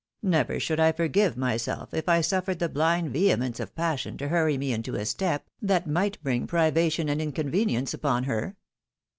Never should I forgive my self if I suffered the blind vehemence of passion to hurry me into a step that might bring privation and inconvenience upon her!